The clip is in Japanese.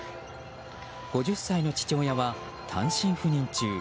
５０歳の父親は単身赴任中。